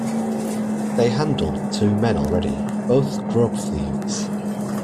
They handled two men already, both grub-thieves.